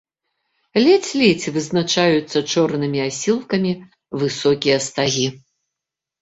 Ледзь-ледзь вызначаюцца чорнымі асілкамі высокія стагі.